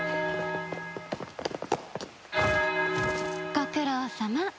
ご苦労さま。